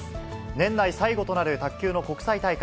年内最後となる卓球の国際大会。